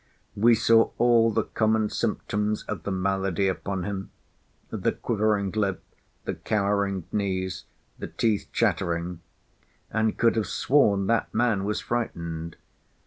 We saw all the common symptoms of the malady upon him; the quivering lip, the cowering knees, the teeth chattering; and could have sworn "that man was frightened."